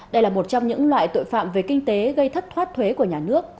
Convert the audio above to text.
đây là một trong những loại tội phạm về kinh tế gây thất thoát thuế của nhà nước